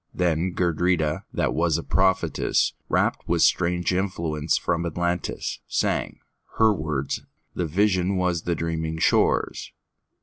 Then Gudrida, that was a prophetess, Rapt with strange influence from Atlantis, sang:Her words: the vision was the dreaming shore's.